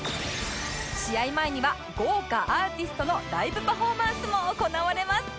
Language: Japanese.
試合前には豪華アーティストのライブパフォーマンスも行われます